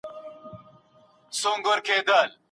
اوږده ډوډۍ ماڼۍ ته نه وړل کیږي.